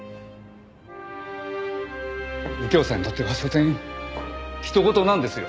右京さんにとってはしょせん他人事なんですよ。